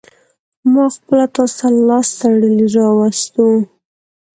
ما خپله تاسو ته لاس تړلى راوستو.